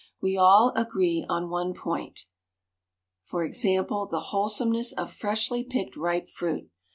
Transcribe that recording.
We are all agreed on one point, i.e., the wholesomeness of freshly picked ripe fruit.